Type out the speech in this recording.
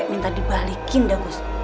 minta dibalikin deh gus